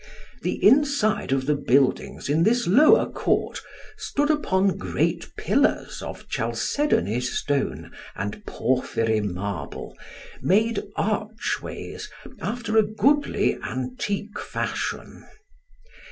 The inside of the buildings in this lower court stood upon great pillars of chalcedony stone and porphyry marble made archways after a goodly antique fashion.